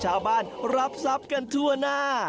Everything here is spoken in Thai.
ชาวบ้านรับทรัพย์กันทั่วหน้า